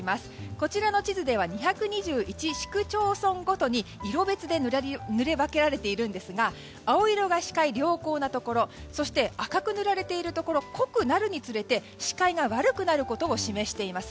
こちらの地図では２２１市区町村ごとに色別で塗り分けられているんですが青色が視界良好なところ赤く塗られているところは濃くなるにつれて視界が悪くなるところを示しております。